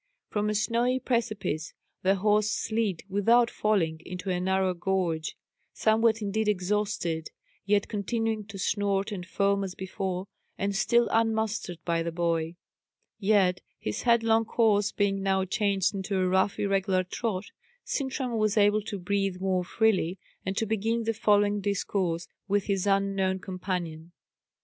From a snowy precipice the horse slid, without falling, into a narrow gorge, somewhat indeed exhausted, yet continuing to snort and foam as before, and still unmastered by the boy. Yet his headlong course being now changed into a rough irregular trot, Sintram was able to breathe more freely, and to begin the following discourse with his unknown companion.